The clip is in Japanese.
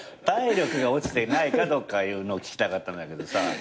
体力が落ちてないかとかいうのを聞きたかったんだけどさ。